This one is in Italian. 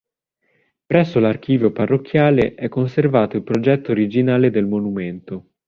Presso l'archivio parrocchiale è conservato il progetto originale del monumento.